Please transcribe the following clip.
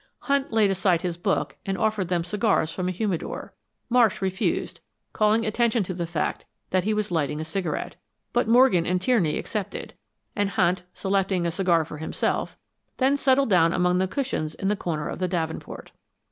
Hunt laid aside his book and offered them cigars from a humidor. Marsh refused, calling attention to the fact that he was lighting a cigarette, but Morgan and Tierney accepted, and Hunt, selecting a cigar for himself, then settled down among the cushions in a corner of the davenport.